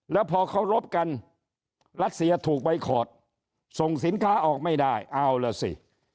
แล้วพอเขารบกันรัสเซียถูกใบคอร์ดส่งสินค้าออกไม่ได้เอาล่ะสิ